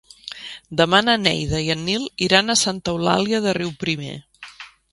Demà na Neida i en Nil iran a Santa Eulàlia de Riuprimer.